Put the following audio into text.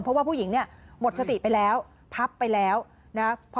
เพราะว่าผู้หญิงเนี่ยหมดสติไปแล้วพับไปแล้วนะครับ